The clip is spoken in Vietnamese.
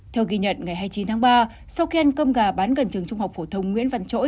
theo ghi nhận ngày hai mươi chín tháng ba sau khi ăn cơm gà bán gần trường trung học phổ thông nguyễn văn trỗi